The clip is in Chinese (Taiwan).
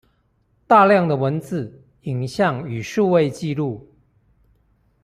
大量的文字、影像與數位紀錄